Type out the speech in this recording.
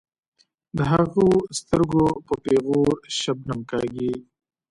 د هغو سترګې په پیغور شبنم کاږي.